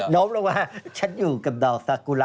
น้อมลงมาฉันอยู่กับดอกสักกุระ